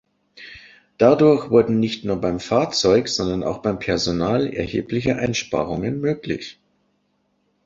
Dadurch wurden nicht nur beim Fahrzeug, sondern auch beim Personal erhebliche Einsparungen möglich.